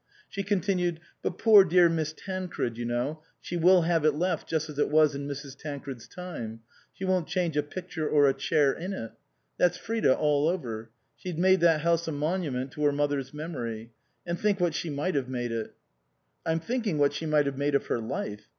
She continued, " But poor dear Miss Tancred, you know, she will have it left just as it was in Mrs. Tancred's time ; she won't change a picture or a chair in it. That's Frida all over. She's made that house a monument to her mother's memory. And think what she might have made it." " I'm thinking what she might have made of her life.